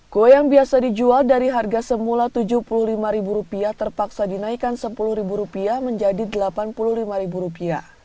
kue yang biasa dijual dari harga semula rp tujuh puluh lima terpaksa dinaikkan rp sepuluh menjadi rp delapan puluh lima